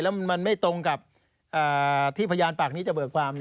แล้วมันไม่ตรงกับที่พยานปากนี้จะเบิกความ